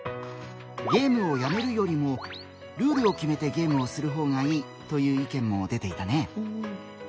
「ゲームをやめるよりもルールを決めてゲームをする方がいい」という意見も出ていたね。